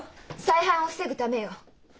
再犯を防ぐためよ。